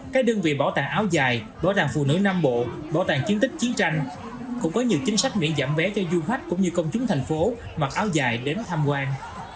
các đơn vị bảo tàng áo dài bảo tàng phụ nữ nam bộ bảo tàng chiến tích chiến tranh cũng có nhiều chính sách miễn giảm vé cho du khách cũng như công chúng thành phố mặc áo dài đến tham quan